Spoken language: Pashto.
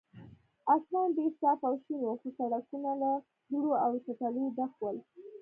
اسمان ډېر صاف او شین و، خو سړکونه له دوړو او چټلیو ډک ول.